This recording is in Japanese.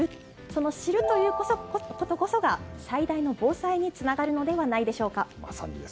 その知るということこそが最大の防災につながるのではないでしょうか。